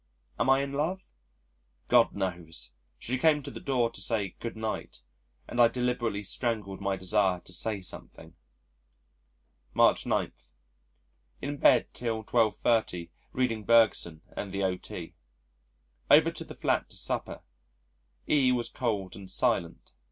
Am I in love? God knows! She came to the door to say "Good night," and I deliberately strangled my desire to say something. March 9. In bed till 12.30 reading Bergson and the O.T. Over to the flat to supper. E was cold and silent.